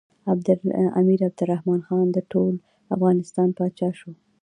امیر عبدالرحمن خان د ټول افغانستان پاچا شو.